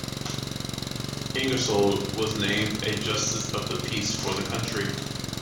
Ingersoll was named a justice of the peace for the county.